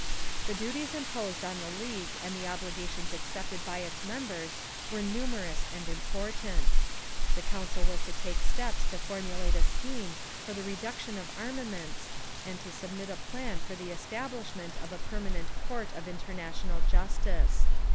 The duties imposed on the League and the obligations accepted by its members were numerous and important. The Council was to take steps to formulate a scheme for the reduction of armaments and to submit a plan for the establishment of a permanent Court of International Justice.